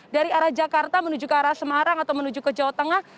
dari arah jakarta menuju ke arah semarang atau menuju ke jawa tengah